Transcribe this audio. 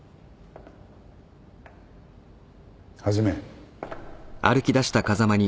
始め。